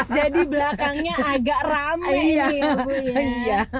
jadi belakangnya agak rame gitu bu ya